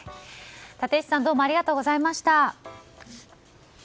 立石さんありがとうございました。